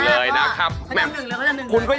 เอาหน่อย